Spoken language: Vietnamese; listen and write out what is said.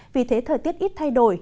vì thế thời tiết ít thay đổi